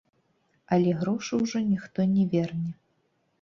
Але грошы ўжо ніхто не верне.